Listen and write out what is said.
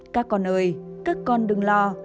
các con ơi các con đừng lo